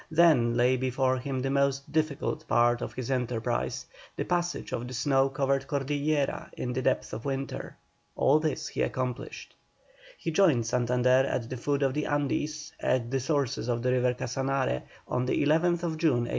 Then lay before him the most difficult part of his enterprise, the passage of the snow covered Cordillera in the depth of winter. All this he accomplished. He joined Santander at the foot of the Andes, at the sources of the river Casanare, on the 11th June, 1819.